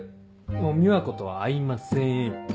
もう美和子とは会いません。